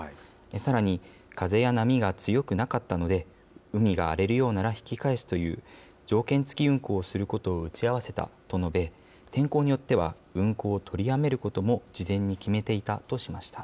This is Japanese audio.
さらに、風や波が強くなかったので、海が荒れるようなら引き返すという条件付き運航することを打ち合わせたと述べ、天候によっては、運航を取りやめることも事前に決めていたとしました。